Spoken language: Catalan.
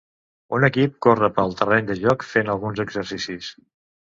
Un equip corre pel terreny de joc fent alguns exercicis.